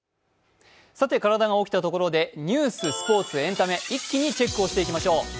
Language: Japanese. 体が起きたところで、ニュース、スポーツ、エンタメ、一気にチェックをしていきましょう。